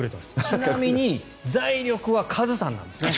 ちなみに財力はカズさんなんですね。